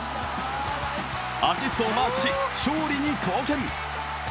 アシストをマークし、勝利に貢献。